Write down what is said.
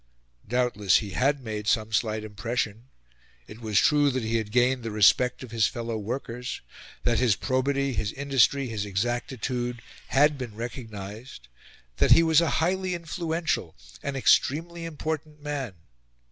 Doubtless he had made some slight impression: it was true that he had gained the respect of his fellow workers, that his probity, his industry, his exactitude, had been recognised, that he was a highly influential, an extremely important man.